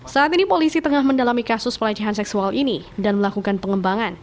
saat ini polisi tengah mendalami kasus pelecehan seksual ini dan melakukan pengembangan